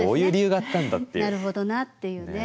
なるほどなっていうね。